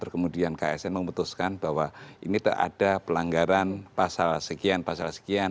kemudian ksn memutuskan bahwa ini ada pelanggaran pasal sekian pasal sekian